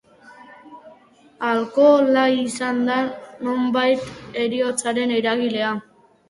Alkohola izan da, nonbait, heriotzaren eragilea.